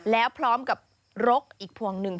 แล้วพร้อมกับรกอีกพวงหนึ่ง